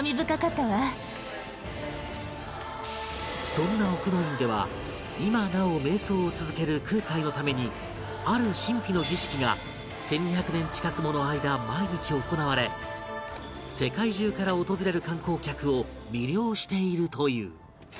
そんな奥之院では今なお瞑想を続ける空海のためにある神秘の儀式が１２００年近くもの間毎日行われ世界中から訪れる観光客を魅了しているという